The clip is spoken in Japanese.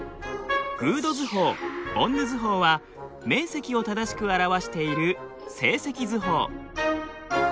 グード図法ボンヌ図法は面積を正しく表している正積図法。